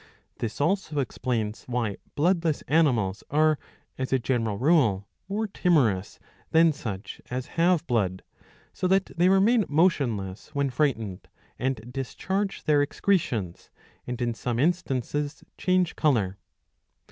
This also explains why bloodless animals are, as a general rule, more timorous than such as have blood, so that they remain motionless, when frightened, and discharge their excretions, and in some instances change colour.